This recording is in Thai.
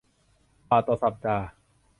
บาทต่อสัปดาห์